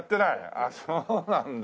ああそうなんだ。